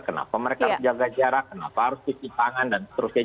kenapa mereka harus jaga jarak kenapa harus cuci tangan dan seterusnya